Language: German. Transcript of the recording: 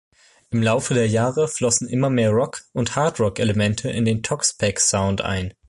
Im Laufe der Jahre flossen immer mehr Rock- und Hard-Rock-Elemente in den Toxpack-Sound ein.